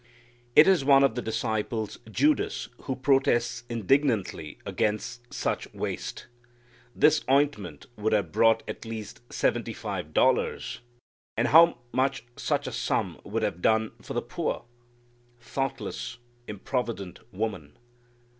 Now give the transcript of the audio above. It is one of the disciples, Judas, who protests indignantly against such waste. This ointment would have brought at least seventy five dollars, and how much such a sum would have done for the poor! Thoughtless, improvident woman!